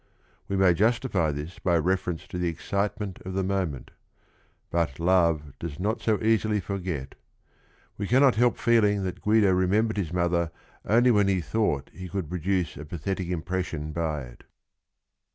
We may justify this by reference to the excite ment of the moment; but love does not so easily forget. We cannot help feeling that Guido re membered his mother only when he thought he could produce a pathetic impression by it.